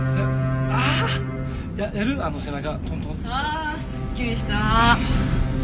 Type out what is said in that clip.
あすっきりした。